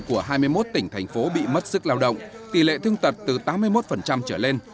của hai mươi một tỉnh thành phố bị mất sức lao động tỷ lệ thương tật từ tám mươi một trở lên